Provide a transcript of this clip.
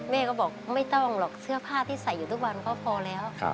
แม่ก็บอกไม่ต้องหรอกเสื้อผ้าที่ใส่อยู่ทุกวันก็พอแล้ว